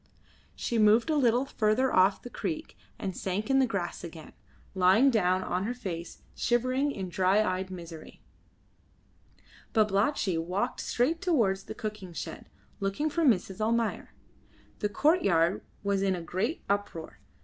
She moved a little further off the creek and sank in the grass again, lying down on her face, shivering in dry eyed misery. Babalatchi walked straight towards the cooking shed looking for Mrs. Almayer. The courtyard was in a great uproar.